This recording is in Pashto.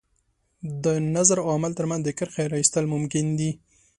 د نظر او عمل تر منځ د کرښې را ایستل ممکن دي.